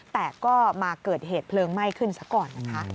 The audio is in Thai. แต่ก็มาเกิดเหตุเพลิงไหม้ขึ้นซะก่อนนะคะ